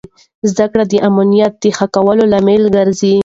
زده کړه د امنیت د ښه کولو لامل ګرځي.